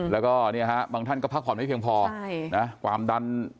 แล้วก็เนี่ยฮะบางท่านก็พักผ่อนไม่เพียงพอความดัน